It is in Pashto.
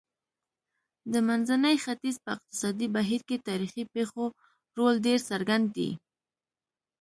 د منځني ختیځ په اقتصادي بهیر کې تاریخي پېښو رول ډېر څرګند دی.